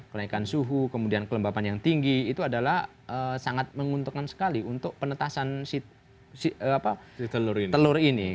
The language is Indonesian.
kenaikan suhu kemudian kelembapan yang tinggi itu adalah sangat menguntungkan sekali untuk penetasan telur ini